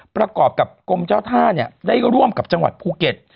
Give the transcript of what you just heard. ประกอบกับกรมเจ้าท่าเนี่ยได้ร่วมกับจังหวัดภูเก็ต